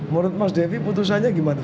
menurut mas devi putusannya gimana